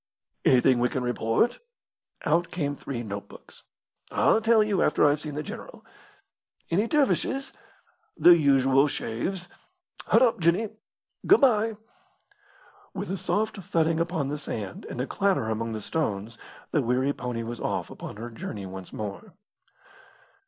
"Anything we can report?" Out came three notebooks. "I'll tell you after I've seen the general." "Any dervishes?" "The usual shaves. Hud up, Jinny! Good bye!" With a soft thudding upon the sand, and a clatter among the stones the weary pony was off upon her journey once more.